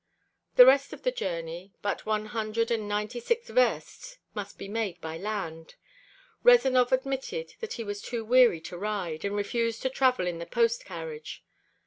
The rest of the journey, but one hundred and ninety six versts, must be made by land. Rezanov admitted that he was too weary to ride, and refused to travel in the post carriage.